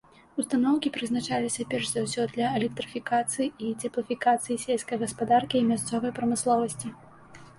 Устаноўкі прызначаліся перш за ўсё для электрыфікацыі і цеплафікацыі сельскай гаспадаркі і мясцовай прамысловасці.